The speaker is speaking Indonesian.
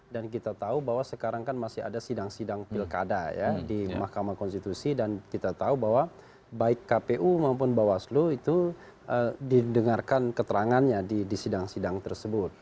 dan kita tahu bahwa sekarang kan masih ada sidang sidang pilkada ya di mahkamah konstitusi dan kita tahu bahwa baik kpu maupun bawaslu itu didengarkan keterangannya di sidang sidang tersebut